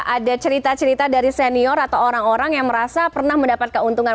ada cerita cerita dari senior atau orang orang yang merasa pernah mendapat keuntungan